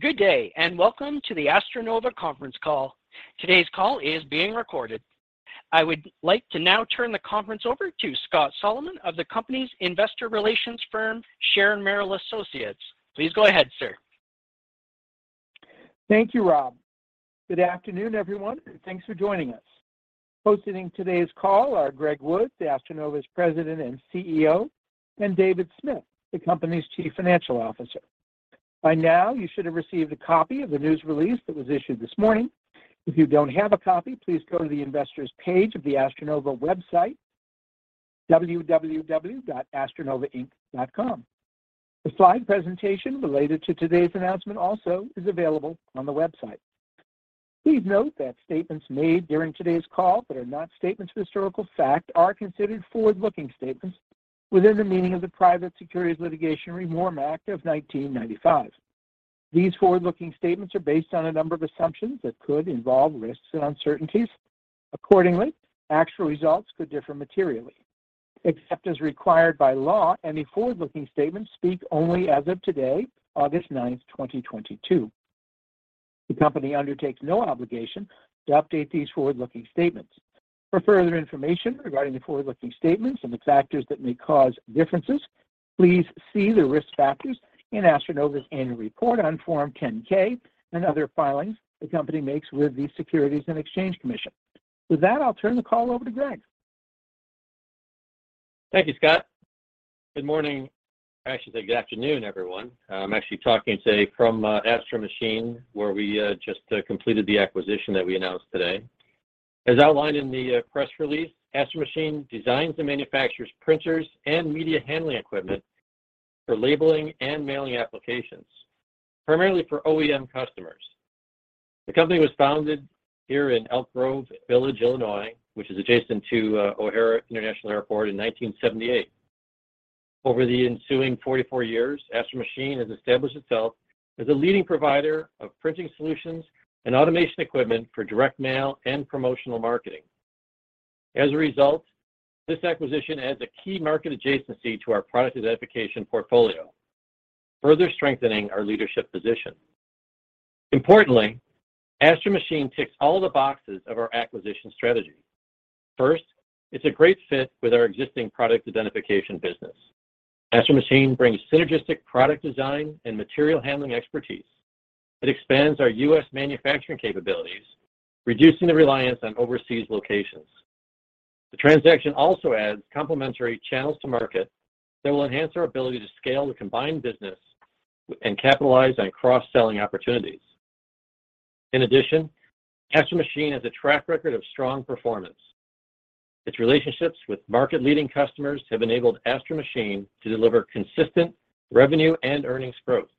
Good day, and welcome to the AstroNova conference call. Today's call is being recorded. I would like to now turn the conference over to Scott Solomon of the company's investor relations firm, Sharon Merrill Associates. Please go ahead, sir. Thank you, Rob. Good afternoon, everyone, and thanks for joining us. Hosting today's call are Greg Woods, AstroNova's President and CEO, and David Smith, the company's Chief Financial Officer. By now, you should have received a copy of the news release that was issued this morning. If you don't have a copy, please go to the investors page of the AstroNova website, www.astronovainc.com. The slide presentation related to today's announcement also is available on the website. Please note that statements made during today's call that are not statements of historical fact are considered forward-looking statements within the meaning of the Private Securities Litigation Reform Act of 1995. These forward-looking statements are based on a number of assumptions that could involve risks and uncertainties. Accordingly, actual results could differ materially. Except as required by law, any forward-looking statements speak only as of today, August ninth, 2022. The company undertakes no obligation to update these forward-looking statements. For further information regarding the forward-looking statements and the factors that may cause differences, please see the risk factors in AstroNova's annual report on Form 10-K and other filings the company makes with the Securities and Exchange Commission. With that, I'll turn the call over to Greg. Thank you, Scott. Good morning. I should say good afternoon, everyone. I'm actually talking today from Astro Machine, where we just completed the acquisition that we announced today. As outlined in the press release, Astro Machine designs and manufactures printers and media handling equipment for labeling and mailing applications, primarily for OEM customers. The company was founded here in Elk Grove Village, Illinois, which is adjacent to O'Hare International Airport, in 1978. Over the ensuing 44 years, Astro Machine has established itself as a leading provider of printing solutions and automation equipment for direct mail and promotional marketing. As a result, this acquisition adds a key market adjacency to our product identification portfolio, further strengthening our leadership position. Importantly, Astro Machine ticks all the boxes of our acquisition strategy. First, it's a great fit with our existing product identification business. Astro Machine brings synergistic product design and material handling expertise. It expands our US manufacturing capabilities, reducing the reliance on overseas locations. The transaction also adds complementary channels to market that will enhance our ability to scale the combined business and capitalize on cross-selling opportunities. In addition, Astro Machine has a track record of strong performance. Its relationships with market-leading customers have enabled Astro Machine to deliver consistent revenue and earnings growth.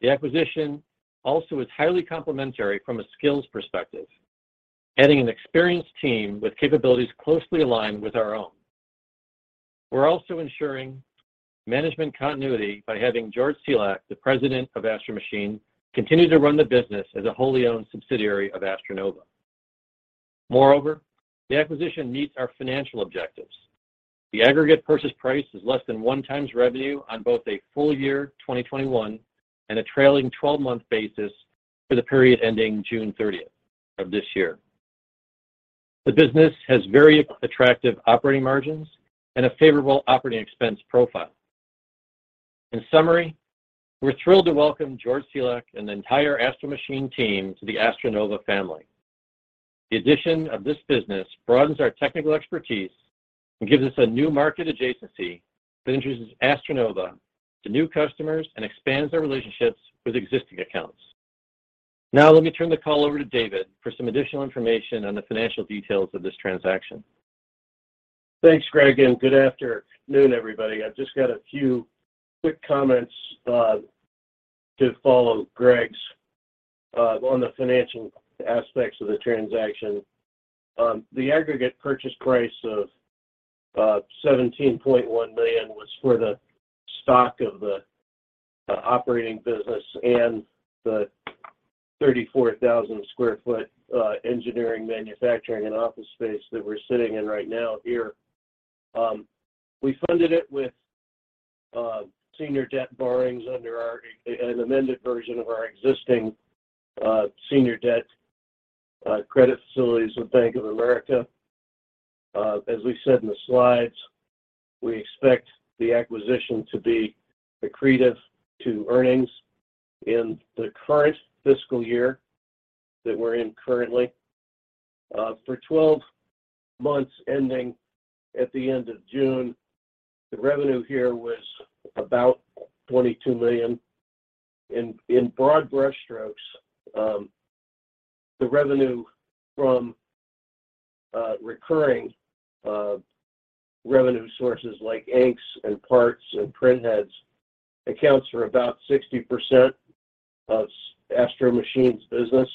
The acquisition also is highly complementary from a skills perspective, adding an experienced team with capabilities closely aligned with our own. We're also ensuring management continuity by having Greg Selak, President of Astro Machine, continue to run the business as a wholly-owned subsidiary of AstroNova. Moreover, the acquisition meets our financial objectives. The aggregate purchase price is less than 1x revenue on both a full year 2021 and a trailing 12-month basis for the period ending June 30 of this year. The business has very attractive operating margins and a favorable operating expense profile. In summary, we're thrilled to welcome Greg Selak and the entire Astro Machine team to the AstroNova family. The addition of this business broadens our technical expertise and gives us a new market adjacency that introduces AstroNova to new customers and expands our relationships with existing accounts. Now, let me turn the call over to David for some additional information on the financial details of this transaction. Thanks, Greg, and good afternoon, everybody. I've just got a few quick comments to follow Greg's on the financial aspects of the transaction. The aggregate purchase price of $17.1 million was for the stock of the operating business and the 34,000 sq ft engineering, manufacturing, and office space that we're sitting in right now here. We funded it with senior debt borrowings under an amended version of our existing senior debt credit facilities with Bank of America. As we said in the slides, we expect the acquisition to be accretive to earnings in the current fiscal year that we're in currently. For 12 months ending at the end of June, the revenue here was about $22 million. In broad brushstrokes, the revenue from recurring revenue sources like inks and parts and print heads accounts for about 60% of Astro Machine's business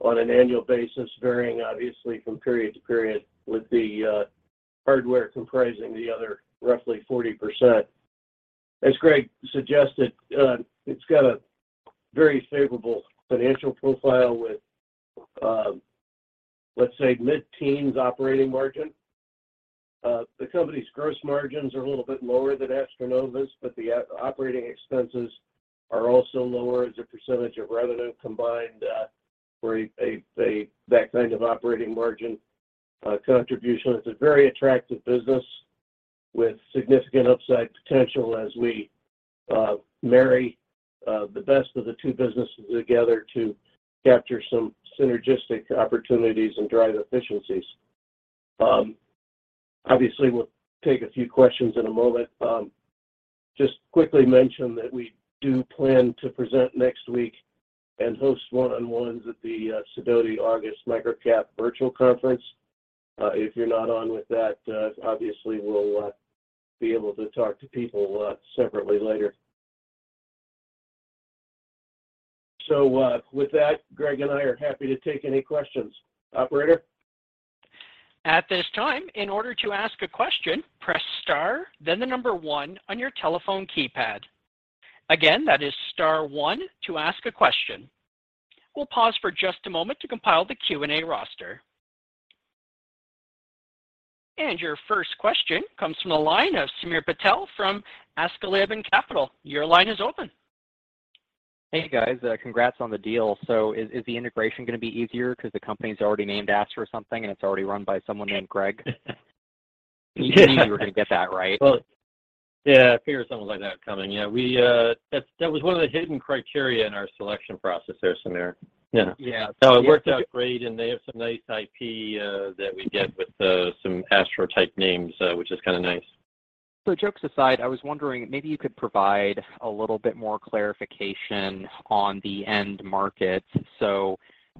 on an annual basis, varying obviously from period to period with the hardware comprising the other roughly 40%. As Greg suggested, it's got a very favorable financial profile with, let's say, mid-teens% operating margin. The company's gross margins are a little bit lower than AstroNova's, but the operating expenses are also lower as a percentage of revenue combined for that kind of operating margin contribution. It's a very attractive business with significant upside potential as we marry the best of the two businesses together to capture some synergistic opportunities and drive efficiencies. Obviously, we'll take a few questions in a moment. Just quickly mention that we do plan to present next week and host one-on-ones at the Sidoti August Microcap Virtual Conference. If you're not on with that, obviously we'll be able to talk to people separately later. With that, Greg and I are happy to take any questions. Operator? At this time, in order to ask a question, press star, then the number one on your telephone keypad. Again, that is star one to ask a question. We'll pause for just a moment to compile the Q&A roster. Your first question comes from the line of Samir Patel from Askeladden Capital. Your line is open. Hey, guys. Congrats on the deal. Is the integration gonna be easier because the company's already named Astro something, and it's already run by someone named Greg? You knew we were gonna get that, right? Well, yeah, I figured something like that coming. Yeah, that was one of the hidden criteria in our selection process there, Samir. Yeah. Yeah. It worked out great, and they have some nice IP that we get with some Astro-type names, which is kinda nice. Jokes aside, I was wondering, maybe you could provide a little bit more clarification on the end markets.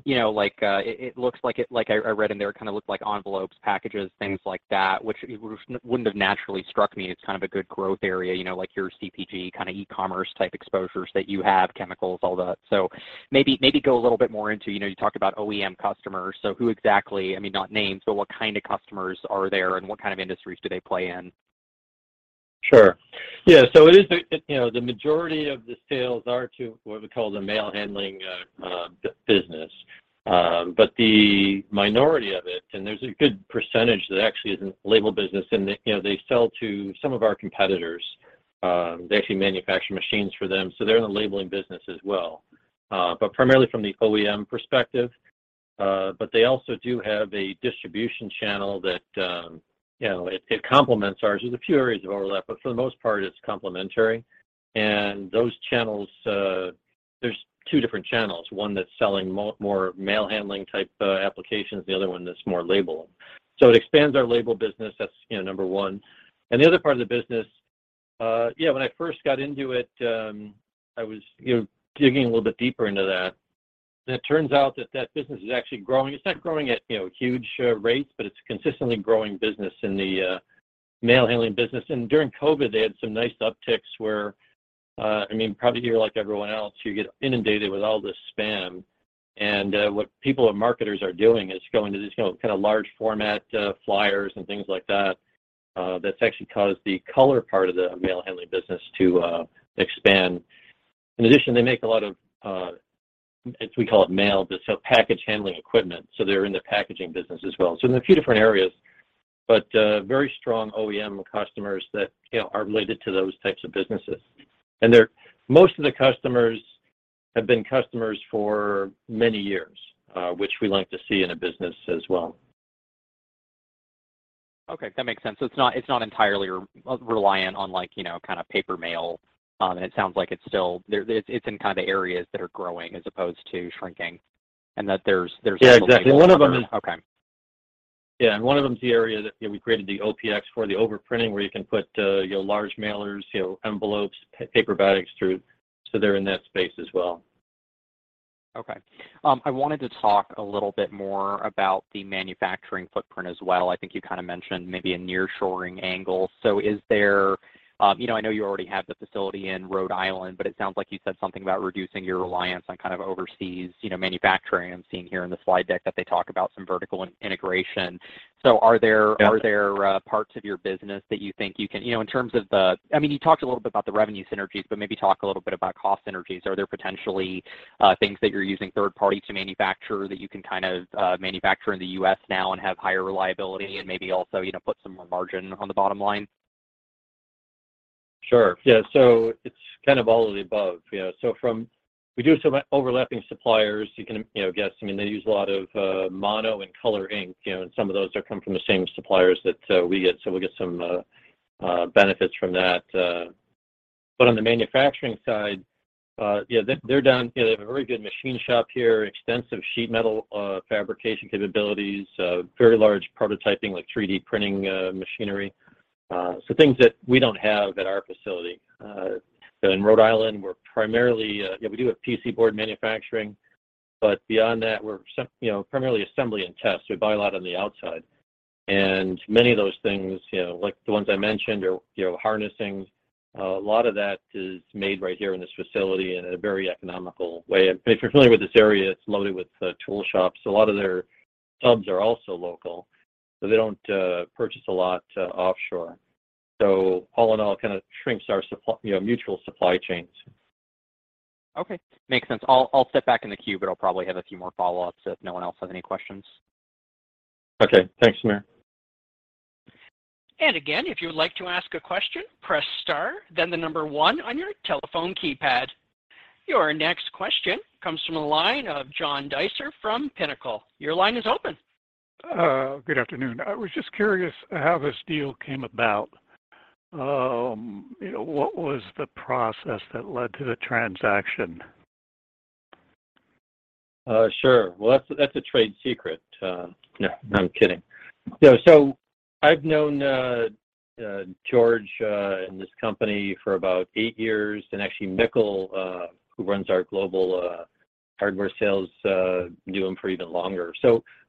You know, like, it looks like it, like I read in there, it kinda looked like envelopes, packages, things like that, which wouldn't have naturally struck me as kind of a good growth area, you know, like your CPG, kinda e-commerce type exposures that you have, chemicals, all that. Maybe go a little bit more into, you know, you talked about OEM customers. Who exactly, I mean, not names, but what kind of customers are there, and what kind of industries do they play in? Sure. Yeah, so it is, you know, the majority of the sales are to what we call the mail handling business. The minority of it, and there's a good percentage that actually is in label business, and they, you know, they sell to some of our competitors. They actually manufacture machines for them, so they're in the labeling business as well. Primarily from the OEM perspective. They also do have a distribution channel that, you know, it complements ours. There's a few areas of overlap, but for the most part, it's complementary. Those channels, there's two different channels. One that's selling more mail handling type applications, the other one that's more labeling. It expands our label business. That's, you know, number one. The other part of the business, when I first got into it, I was, you know, digging a little bit deeper into that. It turns out that that business is actually growing. It's not growing at, you know, huge rates, but it's a consistently growing business in the mail handling business. During COVID, they had some nice upticks where, I mean, probably you're like everyone else, you get inundated with all this spam. What people and marketers are doing is going to these, you know, kinda large format flyers and things like that's actually caused the color part of the mail handling business to expand. In addition, they make a lot of, as we call it, mail, but so package handling equipment, so they're in the packaging business as well. In a few different areas, but very strong OEM customers that, you know, are related to those types of businesses. Most of the customers have been customers for many years, which we like to see in a business as well. Okay. That makes sense. It's not entirely reliant on like, you know, kinda paper mail. It sounds like it's in kinda areas that are growing as opposed to shrinking and that there's. Yeah, exactly. Okay. Yeah, one of them is the area that, you know, we created the OPX for the overprinting where you can put, you know, large mailers, you know, envelopes, paper bags through. So they're in that space as well. Okay. I wanted to talk a little bit more about the manufacturing footprint as well. I think you kinda mentioned maybe a nearshoring angle. Is there, I know you already have the facility in Rhode Island, but it sounds like you said something about reducing your reliance on kind of overseas manufacturing. I'm seeing here in the slide deck that they talk about some vertical integration. Are there- Yeah. Are there parts of your business that you think you can? You know, in terms of, I mean, you talked a little bit about the revenue synergies, but maybe talk a little bit about cost synergies. Are there potentially things that you're using third party to manufacture that you can kind of manufacture in the US now and have higher reliability and maybe also, you know, put some more margin on the bottom line? Sure. Yeah. It's kind of all of the above. You know, we do have some overlapping suppliers. You can, you know, guess. I mean, they use a lot of mono and color ink, you know, and some of those are coming from the same suppliers that we get, so we'll get some benefits from that. But on the manufacturing side, yeah, they're down. They have a very good machine shop here, extensive sheet metal fabrication capabilities, very large prototyping, like 3D printing, machinery. Things that we don't have at our facility. In Rhode Island, we're primarily, yeah, we do have PC board manufacturing, but beyond that, we're some, you know, primarily assembly and test. We buy a lot on the outside. Many of those things, you know, like the ones I mentioned are, you know, harnessing. A lot of that is made right here in this facility in a very economical way. If you're familiar with this area, it's loaded with tool shops. A lot of their subs are also local, so they don't purchase a lot offshore. All in all, it kinda shrinks our, you know, mutual supply chains. Okay, makes sense. I'll step back in the queue, but I'll probably have a few more follow-ups if no one else has any questions. Okay. Thanks, Samir. Again, if you would like to ask a question, press star then the number one on your telephone keypad. Your next question comes from the line of John Deysher from Pinnacle. Your line is open. Good afternoon. I was just curious how this deal came about. You know, what was the process that led to the transaction? Sure. Well, that's a trade secret. No, I'm kidding. You know, I've known George and this company for about eight years. Actually, Mikkel, who runs our global hardware sales, knew him for even longer.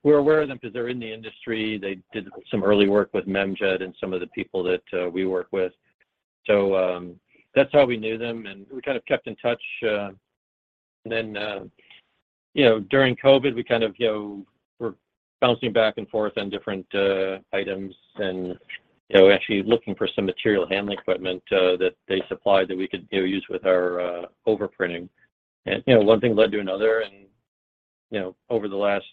We're aware of them 'cause they're in the industry. They did some early work with Memjet and some of the people that we work with. That's how we knew them, and we kind of kept in touch. You know, during COVID, we kind of were bouncing back and forth on different items and actually looking for some material handling equipment that they supply that we could use with our overprinting. You know, one thing led to another and, you know, over the last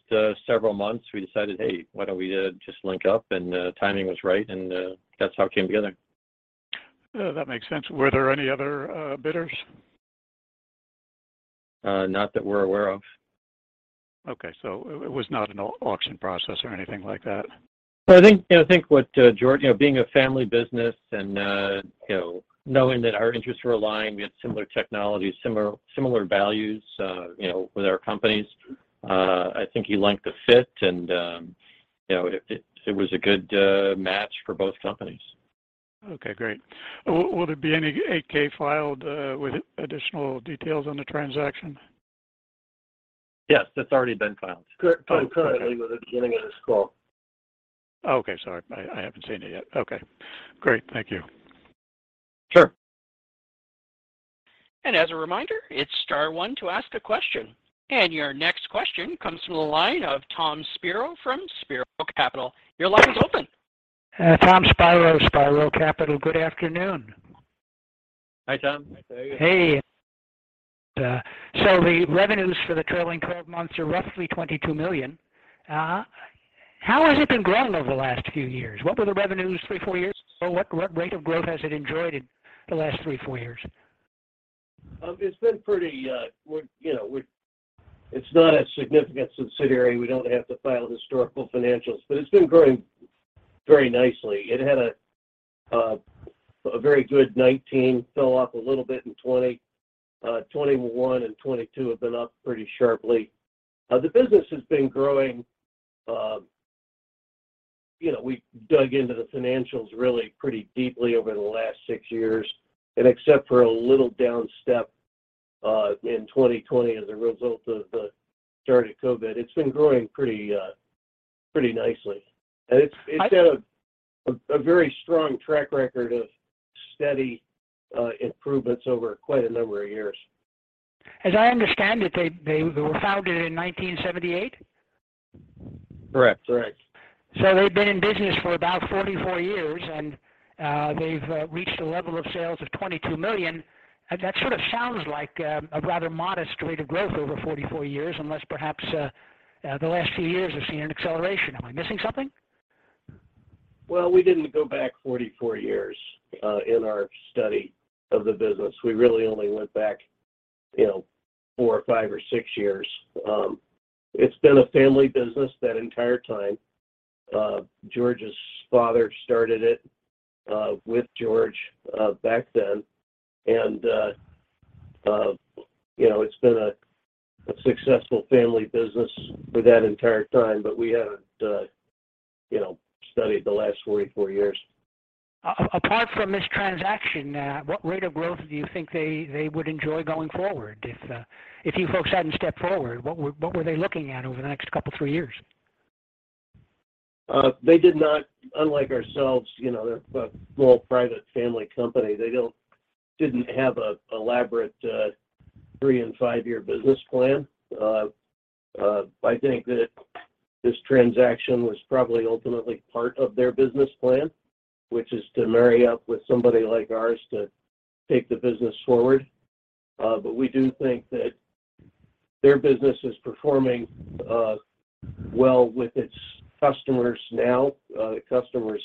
several months, we decided, "Hey, why don't we just link up?" The timing was right, and that's how it came together. That makes sense. Were there any other bidders? Not that we're aware of. Okay. It was not an auction process or anything like that? I think, you know, I think what, George, you know, being a family business and, you know, knowing that our interests were aligned, we had similar technologies, similar values, you know, with our companies, I think he liked the fit and, you know, it was a good match for both companies. Okay, great. Would there be any 8-K filed with additional details on the transaction? Yes, that's already been filed. Oh, okay. Concurrently with the beginning of this call. Okay. Sorry, I haven't seen it yet. Okay, great. Thank you. Sure. As a reminder, it's star one to ask a question. Your next question comes from the line of Tom Spiro from Spiro Capital. Your line is open. Tom Spiro Capital. Good afternoon. Hi, Tom. Hi, Tom. Hey. So the revenues for the trailing twelve months are roughly $22 million. How has it been growing over the last few years? What were the revenues three, four years ago? What rate of growth has it enjoyed in the last three, four years? It's not a significant subsidiary. We don't have to file historical financials, but it's been growing very nicely. It had a very good 2019, fell off a little bit in 2020. 2021 and 2022 have been up pretty sharply. The business has been growing, you know, we dug into the financials really pretty deeply over the last six years. Except for a little down step in 2020 as a result of the start of COVID, it's been growing pretty nicely. I- It's got a very strong track record of steady improvements over quite a number of years. As I understand it, they were founded in 1978. Correct. Correct. They've been in business for about 44 years, and they've reached a level of sales of $22 million. That sort of sounds like a rather modest rate of growth over 44 years, unless perhaps the last few years have seen an acceleration. Am I missing something? Well, we didn't go back 44 years in our study of the business. We really only went back, you know, four or five or six years. It's been a family business that entire time. George's father started it with George back then. You know, it's been a successful family business for that entire time, but we haven't, you know, studied the last 44 years. Apart from this transaction, what rate of growth do you think they would enjoy going forward? If you folks hadn't stepped forward, what were they looking at over the next couple three years? Unlike ourselves, you know, they're a small private family company. They didn't have an elaborate, three- and five-year business plan. I think that this transaction was probably ultimately part of their business plan, which is to marry up with somebody like ours to take the business forward. We do think that their business is performing well with its customers now. The customers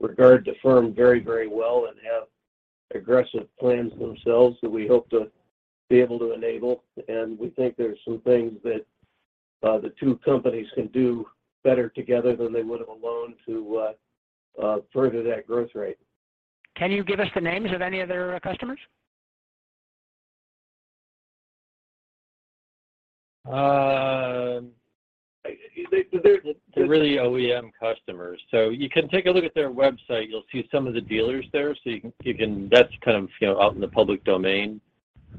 regard the firm very, very well and have aggressive plans themselves that we hope to be able to enable. We think there are some things that the two companies can do better together than they would have alone to further that growth rate. Can you give us the names of any of their customers? Um, they- The, the- They're really OEM customers. You can take a look at their website. You'll see some of the dealers there. That's kind of, you know, out in the public domain.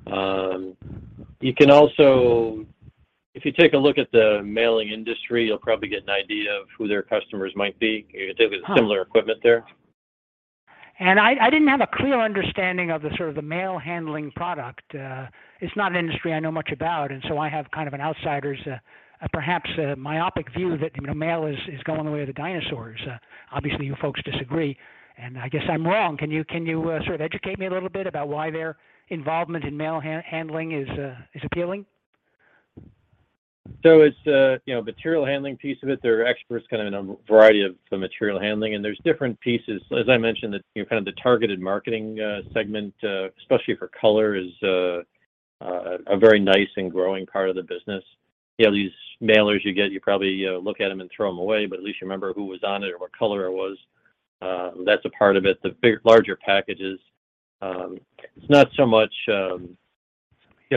If you take a look at the mailing industry, you'll probably get an idea of who their customers might be. You know, they have. Huh similar equipment there. I didn't have a clear understanding of the sort of the mail handling product. It's not an industry I know much about, and so I have kind of an outsider's perhaps a myopic view that, you know, mail is going the way of the dinosaurs. Obviously, you folks disagree, and I guess I'm wrong. Can you sort of educate me a little bit about why their involvement in mail handling is appealing? It's, you know, material handling piece of it. They're experts kind of in a variety of the material handling, and there's different pieces. As I mentioned, the, you know, kind of the targeted marketing segment, especially for color is a very nice and growing part of the business. You know, these mailers you get, you probably look at them and throw them away, but at least you remember who was on it or what color it was. That's a part of it. The larger packages, it's not so much, you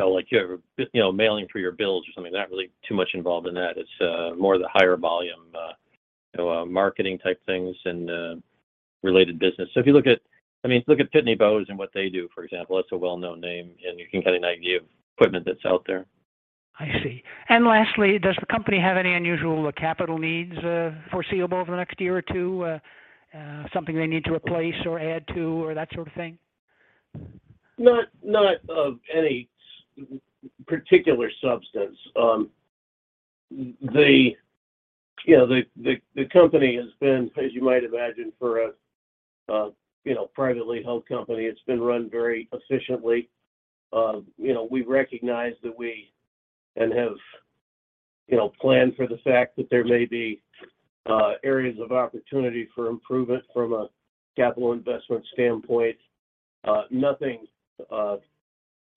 know, like you're, you know, mailing for your bills or something. Not really too much involved in that. It's more the higher volume, you know, marketing type things and related business. I mean, if you look at Pitney Bowes and what they do, for example, that's a well-known name, and you can get an idea of equipment that's out there. I see. Lastly, does the company have any unusual capital needs, foreseeable over the next year or two? Something they need to replace or add to or that sort of thing? Not of any particular substance. You know, the company has been, as you might imagine, for a privately held company, it's been run very efficiently. You know, we recognize that we and have planned for the fact that there may be areas of opportunity for improvement from a capital investment standpoint. Nothing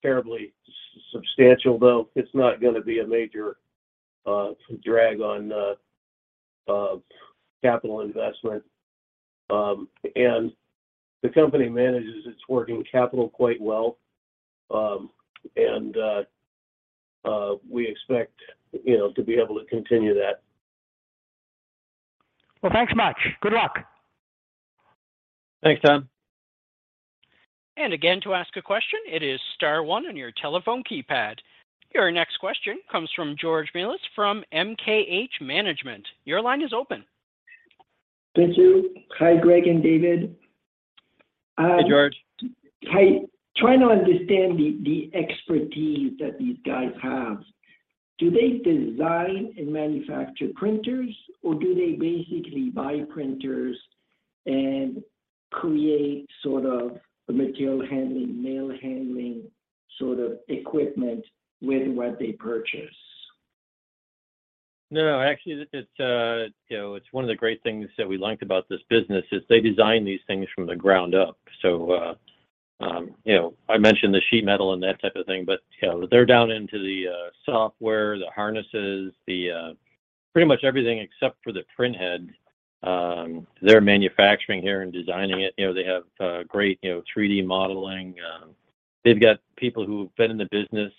terribly substantial, though. It's not gonna be a major drag on capital investment. The company manages its working capital quite well. We expect, you know, to be able to continue that. Well, thanks much. Good luck. Thanks, Tom. Again, to ask a question, it is star one on your telephone keypad. Your next question comes from George Melas from MKH Management. Your line is open. Thank you. Hi, Greg and David. Hi, George. Hi. Trying to understand the expertise that these guys have. Do they design and manufacture printers, or do they basically buy printers and create sort of the material handling, mail handling sort of equipment with what they purchase? No. Actually, it's, you know, it's one of the great things that we liked about this business, is they design these things from the ground up. You know, I mentioned the sheet metal and that type of thing, but, you know, they're down into the software, the harnesses, the. Pretty much everything except for the print head, they're manufacturing here and designing it. You know, they have great, you know, 3D modeling. They've got people who've been in the business,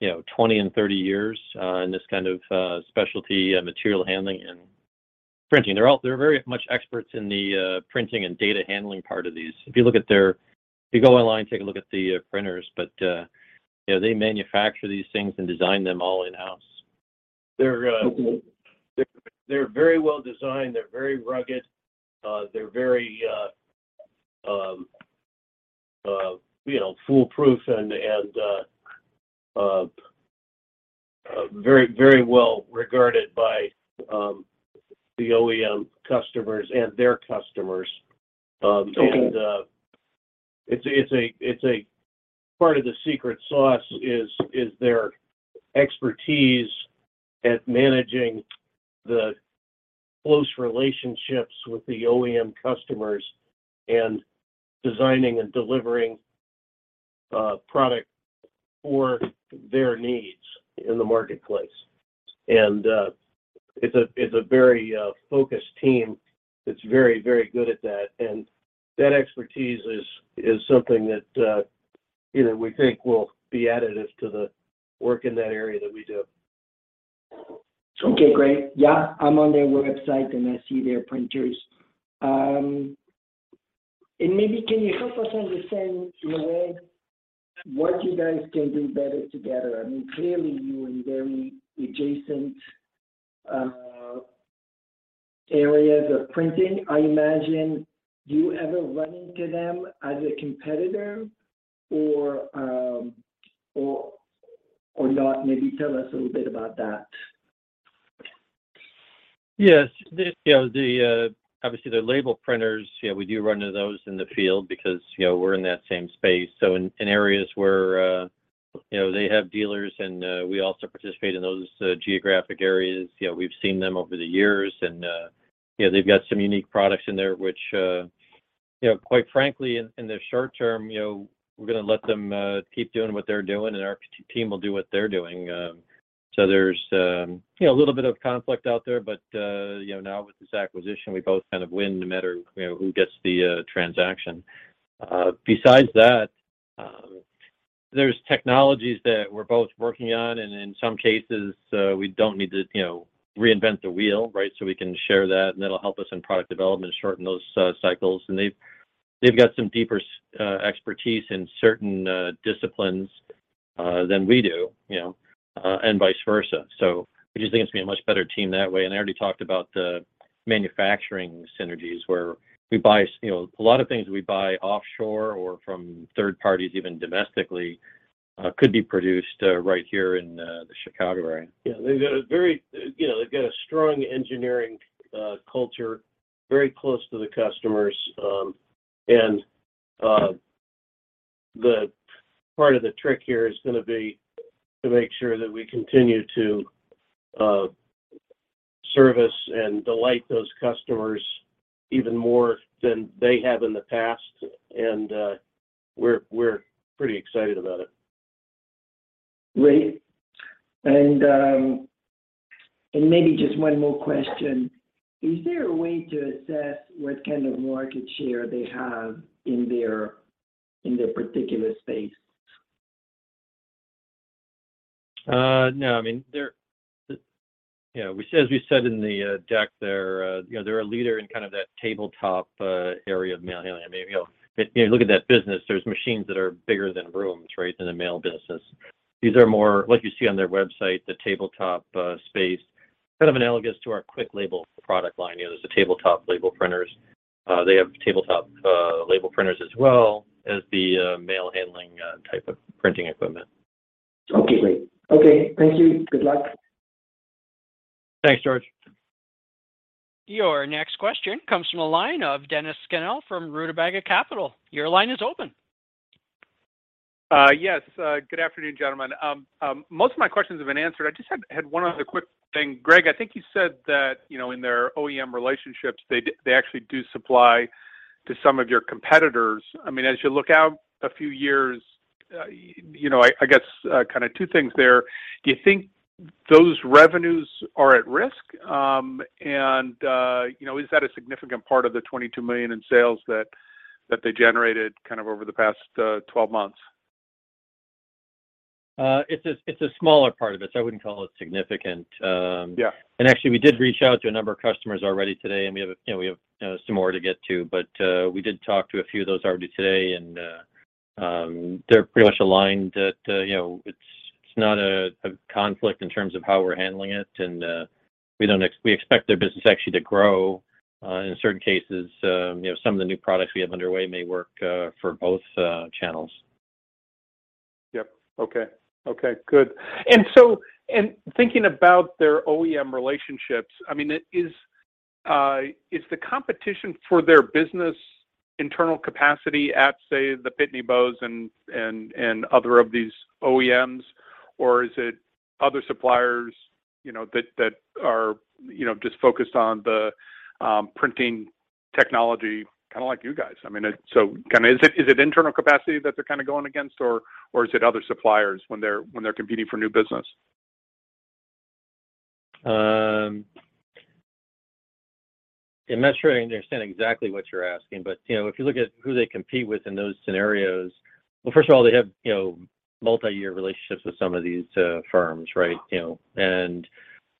you know, 20 and 30 years, in this kind of specialty material handling and printing. They're very much experts in the printing and data handling part of these. If you go online, take a look at the printers. you know, they manufacture these things and design them all in-house. They're very well-designed. They're very rugged. They're very, you know, foolproof and very well-regarded by the OEM customers and their customers. Part of the secret sauce is their expertise at managing the close relationships with the OEM customers and designing and delivering product for their needs in the marketplace. It's a very focused team that's very good at that. That expertise is something that, you know, we think will be additive to the work in that area that we do. Okay, great. Yeah. I'm on their website, and I see their printers. Maybe can you help us understand in a way what you guys can do better together? I mean, clearly you're in very adjacent areas of printing. I imagine, do you ever run into them as a competitor or not? Maybe tell us a little bit about that. Yes. You know, obviously their label printers, you know, we do run into those in the field because, you know, we're in that same space. In areas where, you know, they have dealers and, we also participate in those, geographic areas, you know, we've seen them over the years and, you know, they've got some unique products in there, which, you know, quite frankly in the short term, you know, we're gonna let them keep doing what they're doing, and our team will do what they're doing. There's, you know, a little bit of conflict out there. You know, now with this acquisition, we both kind of win no matter, you know, who gets the transaction. Besides that, there's technologies that we're both working on, and in some cases, we don't need to, you know, reinvent the wheel, right? We can share that, and that'll help us in product development, shorten those cycles. They've got some deeper expertise in certain disciplines than we do, you know, and vice versa. We just think it's gonna be a much better team that way. I already talked about the manufacturing synergies where we buy you know, a lot of things we buy offshore or from third parties even domestically could be produced right here in the Chicago area. Yeah. They've got a strong engineering culture, very close to the customers. The part of the trick here is gonna be to make sure that we continue to service and delight those customers even more than they have in the past, and we're pretty excited about it. Great. Maybe just one more question. Is there a way to assess what kind of market share they have in their particular space? No. I mean, you know, we said, as we said in the deck there, you know, they're a leader in kind of that tabletop area of mail handling. I mean, you know, if you look at that business, there's machines that are bigger than rooms, right, in the mail business. These are more what you see on their website, the tabletop space. Kind of analogous to our QuickLabel product line. You know, there's the tabletop label printers. They have tabletop label printers as well as the mail handling type of printing equipment. Okay, great. Okay, thank you. Good luck. Thanks, George. Your next question comes from the line of Dennis Scannell from Rutabaga Capital. Your line is open. Yes. Good afternoon, gentlemen. Most of my questions have been answered. I just had one other quick thing. Greg, I think you said that, you know, in their OEM relationships they actually do supply to some of your competitors. I mean, as you look out a few years, you know, I guess, kind of two things there. Do you think those revenues are at risk? You know, is that a significant part of the $22 million in sales that they generated kind of over the past 12 months? It's a smaller part of it, so I wouldn't call it significant. Yeah Actually, we did reach out to a number of customers already today, and we have, you know, some more to get to. We did talk to a few of those already today, and they're pretty much aligned that, you know, it's not a conflict in terms of how we're handling it. We expect their business actually to grow in certain cases, you know, some of the new products we have underway may work for both channels. Okay, good. Thinking about their OEM relationships, I mean, is the competition for their business internal capacity at, say, the Pitney Bowes and other of these OEMs, or is it other suppliers, you know, that are just focused on the printing technology kind of like you guys? I mean, so is it internal capacity that they're kind of going against, or is it other suppliers when they're competing for new business? I'm not sure I understand exactly what you're asking, but, you know, if you look at who they compete with in those scenarios. Well, first of all, they have, you know, multi-year relationships with some of these firms, right? You know, and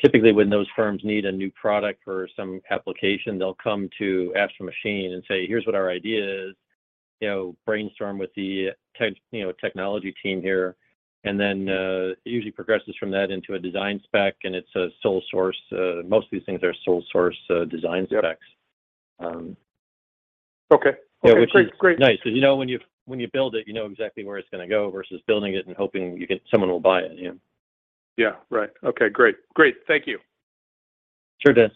typically when those firms need a new product for some application, they'll come to Astro Machine and say, "Here's what our idea is." You know, brainstorm with the tech, you know, technology team here. And then, it usually progresses from that into a design spec, and it's a sole source. Most of these things are sole source design specs. Okay, great.... which is nice because you know when you build it, you know exactly where it's gonna go versus building it and hoping you get someone will buy it, you know? Yeah. Right. Okay, great. Thank you. Sure, Dennis.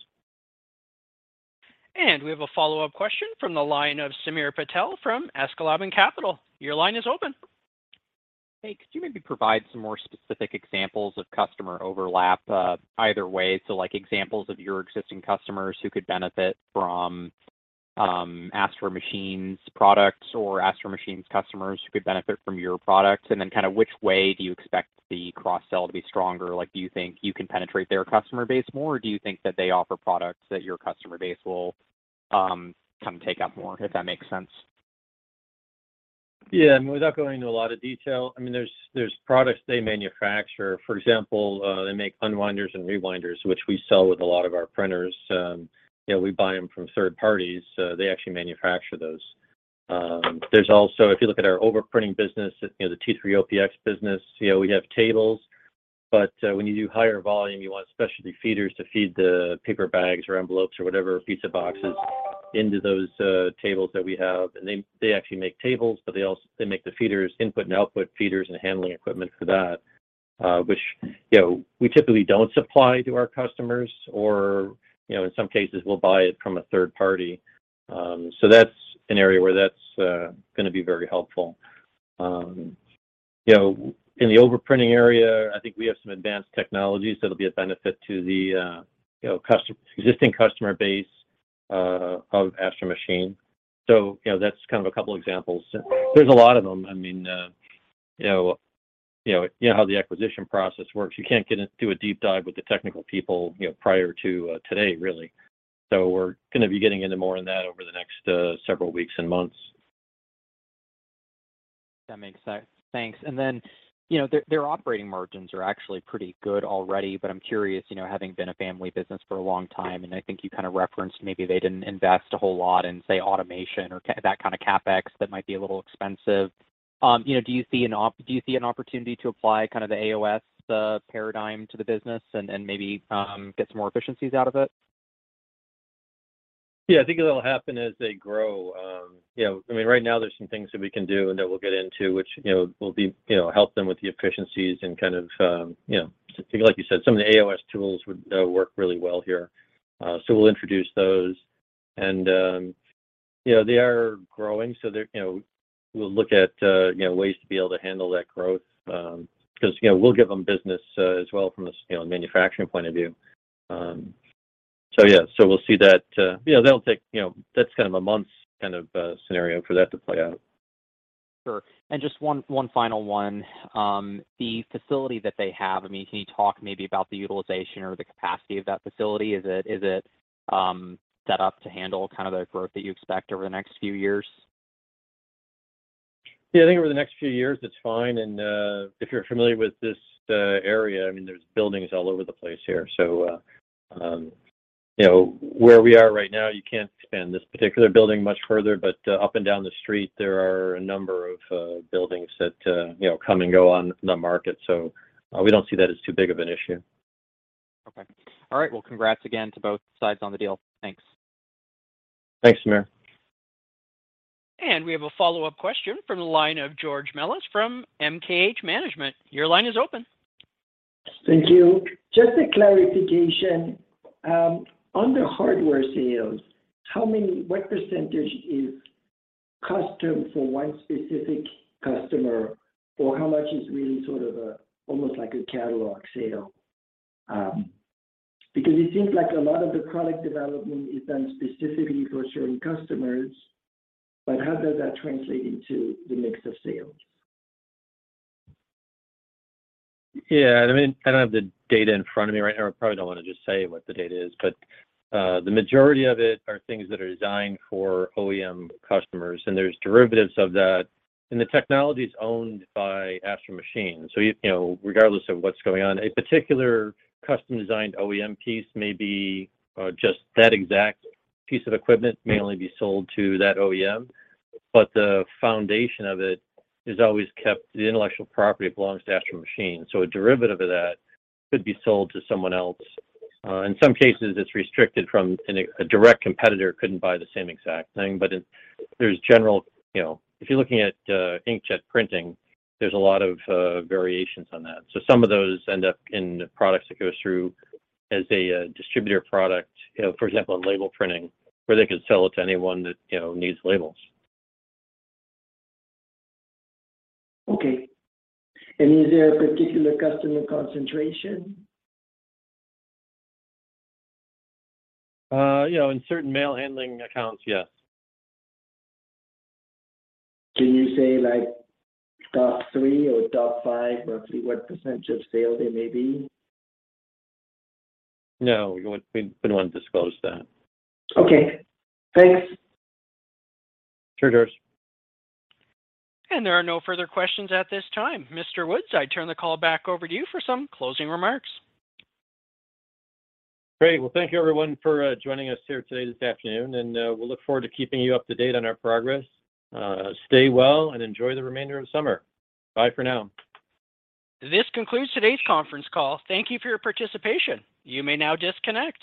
We have a follow-up question from the line of Samir Patel from Askeladden Capital. Your line is open. Hey, could you maybe provide some more specific examples of customer overlap, either way? Like examples of your existing customers who could benefit from Astro Machine's products or Astro Machine's customers who could benefit from your products. Kind of which way do you expect the cross-sell to be stronger? Like, do you think you can penetrate their customer base more, or do you think that they offer products that your customer base will come take up more? If that makes sense. Yeah. I mean, without going into a lot of detail, I mean, there's products they manufacture. For example, they make unwinders and rewinders, which we sell with a lot of our printers. You know, we buy them from third parties. They actually manufacture those. There's also, if you look at our overprinting business, you know, the T3-OPX business, you know, we have tables. When you do higher volume, you want specialty feeders to feed the paper bags or envelopes or whatever, pizza boxes, into those tables that we have. They actually make tables, but they also make the feeders, input and output feeders and handling equipment for that, which, you know, we typically don't supply to our customers or, you know, in some cases we'll buy it from a third party. That's an area where that's gonna be very helpful. You know, in the overprinting area, I think we have some advanced technologies that'll be a benefit to the, you know, existing customer base of Astro Machine. You know, that's kind of a couple examples. There's a lot of them. I mean, you know how the acquisition process works. You can't get into a deep dive with the technical people, you know, prior to today really. We're gonna be getting into more on that over the next several weeks and months. That makes sense. Thanks. Then, you know, their operating margins are actually pretty good already, but I'm curious, you know, having been a family business for a long time, and I think you kind of referenced maybe they didn't invest a whole lot in, say, automation or that kind of CapEx that might be a little expensive. You know, do you see an opportunity to apply kind of the AOS paradigm to the business and maybe get some more efficiencies out of it? Yeah, I think it'll happen as they grow. You know, I mean, right now there's some things that we can do and that we'll get into, which, you know, will be, you know, help them with the efficiencies and kind of, you know, like you said, some of the AOS tools would work really well here. We'll introduce those. You know, they are growing, so they're, you know, we'll look at, you know, ways to be able to handle that growth. 'Cause, you know, we'll give them business, as well from the, you know, manufacturing point of view. Yeah. We'll see that, you know, that'll take, you know, that's kind of a month kind of scenario for that to play out. Sure. Just one final one. The facility that they have, I mean, can you talk maybe about the utilization or the capacity of that facility? Is it set up to handle kind of the growth that you expect over the next few years? Yeah, I think over the next few years it's fine. If you're familiar with this area, I mean, there's buildings all over the place here. You know, where we are right now, you can't expand this particular building much further, but up and down the street there are a number of buildings that you know come and go on the market. We don't see that as too big of an issue. Okay. All right. Well, congrats again to both sides on the deal. Thanks. Thanks, Samir. We have a follow-up question from the line of George Melas-Kyriazi from MKH Management. Your line is open. Thank you. Just a clarification. On the hardware sales, what percentage is custom for one specific customer? Or how much is really sort of a, almost like a catalog sale? Because it seems like a lot of the product development is done specifically for certain customers, but how does that translate into the mix of sales? Yeah, I mean, I don't have the data in front of me right now. I probably don't wanna just say what the data is, but the majority of it are things that are designed for OEM customers, and there's derivatives of that. The technology's owned by Astro Machine. You know, regardless of what's going on, a particular custom designed OEM piece may be just that exact piece of equipment only sold to that OEM, but the foundation of it is always kept. The intellectual property belongs to Astro Machine. A derivative of that could be sold to someone else. In some cases it's restricted. A direct competitor couldn't buy the same exact thing. There's generally, you know, if you're looking at inkjet printing, there's a lot of variations on that. Some of those end up in products that goes through as a distributor product. You know, for example, in label printing, where they could sell it to anyone that, you know, needs labels. Okay. Is there a particular customer concentration? Yeah, in certain mail handling accounts, yes. Can you say like top three or top five, roughly what percentage of sales they may be? No, we wouldn't wanna disclose that. Okay, thanks. Sure, George. There are no further questions at this time. Mr. Woods, I turn the call back over to you for some closing remarks. Great. Well, thank you everyone for joining us here today, this afternoon, and we'll look forward to keeping you up to date on our progress. Stay well and enjoy the remainder of summer. Bye for now. This concludes today's conference call. Thank you for your participation. You may now disconnect.